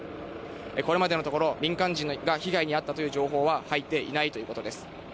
これまでのところ、民間人が被害に遭ったという情報は入っていないということです。